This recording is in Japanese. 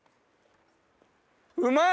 うまい！